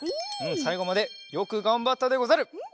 さいごまでよくがんばったでござる。